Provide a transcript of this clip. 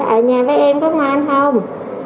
ở nhà với em có ngoan không